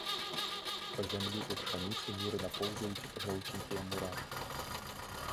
Па зямлі ў пшаніцы мірна поўзаюць жоўценькія мурашкі.